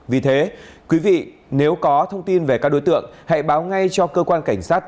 vì thế quý vị nếu có thông tin về các đối tượng hãy báo ngay cho cơ quan cảnh sát